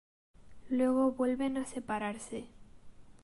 Luego vuelven a separarse.